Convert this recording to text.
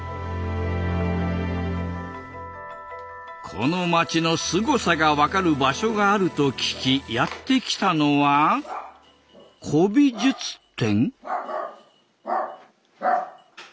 この町のすごさが分かる場所があると聞きやって来たのは古美術店？